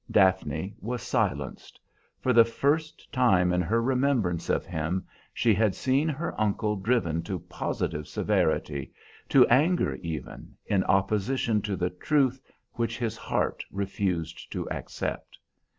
Daphne was silenced; for the first time in her remembrance of him she had seen her uncle driven to positive severity, to anger even, in opposition to the truth which his heart refused to accept.